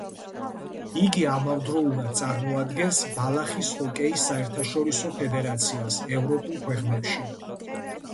იგი ამავდროულად წარმოადგენს ბალახის ჰოკეის საერთაშორისო ფედერაციას ევროპულ ქვეყნებში.